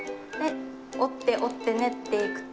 折って折って練っていくと。